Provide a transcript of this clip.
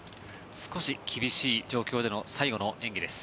少し厳しい状況での最後の演技です。